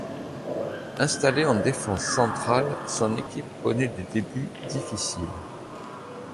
Installé en défense centrale, son équipe connait des débuts difficiles.